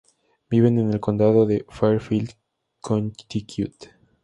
Viven en el condado de Fairfield, Connecticut.